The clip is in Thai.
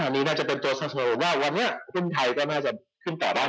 นี่น่าจะเป็นโจทย์จะเซิลว่าวันนี้พึ่งไทยก็น่าจะขึ้นต่อบ้าน